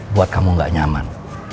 buat kamu gak nyaman